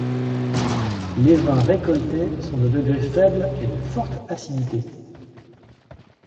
Les vins récoltés sont de degré faible et de forte acidité.